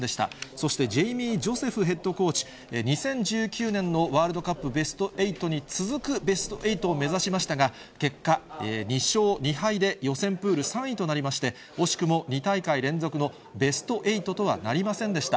そしてジェイミー・ジョセフヘッドコーチ、２０１９年のワールドカップベスト８に続くベスト８を目指しましたが、結果、２勝２敗で予選プール３位となりまして、惜しくも２大会連続のベスト８とはなりませんでした。